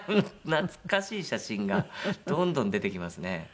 懐かしい写真がどんどん出てきますね。